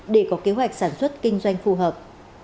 để có kế hoạch sản xuất kinh doanh phù hợp